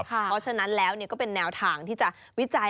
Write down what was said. เพราะฉะนั้นแล้วก็เป็นแนวทางที่จะวิจัย